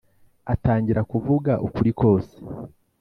atangira kuvuga ukuri kose